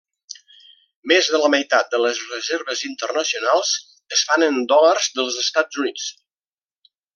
Més de la meitat de les reserves internacionals es fan en dòlars dels Estats Units.